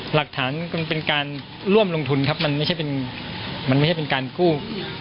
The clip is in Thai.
หลักฐานเป็นการร่วมลงทุนครับมันไม่ใช่เป็นการกู้